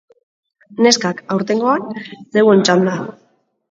Neskak, aurtengoan zeuon txanda!